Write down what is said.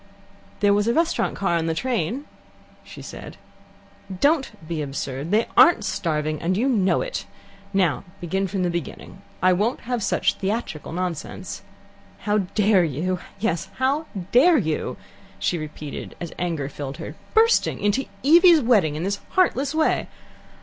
"There was a restaurant car on the train," she said. "Don't be absurd. They aren't starving, and you know it. Now, begin from the beginning. I won't have such theatrical nonsense. How dare you! Yes, how dare you!" she repeated, as anger filled her, "bursting in to Evie's wedding in this heartless way.